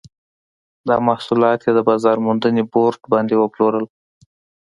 دا محصولات یې د بازار موندنې بورډ باندې وپلورل.